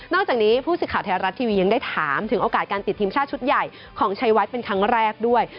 จากนี้ผู้สื่อข่าวไทยรัฐทีวียังได้ถามถึงโอกาสการติดทีมชาติชุดใหญ่ของชัยวัดเป็นครั้งแรกด้วย